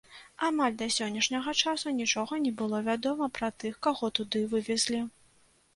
Амаль да сённяшняга часу нічога не было вядома пра тых, каго туды вывезлі.